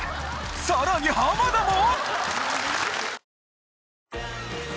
さらに浜田も！？